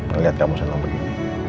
ngeliat kamu seneng begini